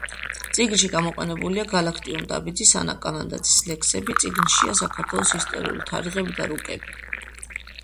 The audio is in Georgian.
წიგნში გამოყენებულია გალაქტიონ ტაბიძის, ანა კალანდაძის ლექსები, წიგნშია საქართველოს ისტორიული თარიღები და რუკები.